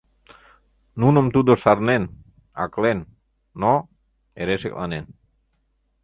Нуным тудо шарнен, аклен, но... эре шекланен.